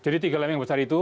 jadi tiga lempeng besar itu